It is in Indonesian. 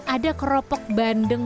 ada keropok bandeng